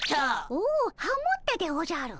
おおハモったでおじゃる。